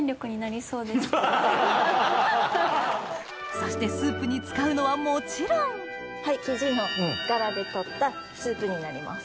そしてスープに使うのはもちろんキジのガラで取ったスープになります。